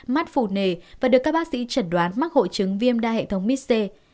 mắt phủ nề và được các bác sĩ chẩn đoán mắc hội chứng viêm đa hệ thống mis c